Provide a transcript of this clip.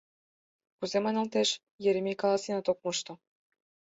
Кузе маналтеш — Еремей каласенат ок мошто.